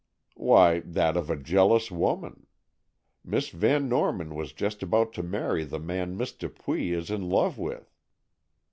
"Why, that of a jealous woman. Miss Van Norman was just about to marry the man Miss Dupuy is in love with.